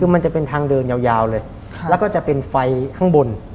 คือมันจะเป็นทางเดินยาวเลยแล้วก็จะเป็นไฟข้างบน